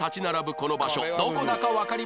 この場所どこだかわかりますか？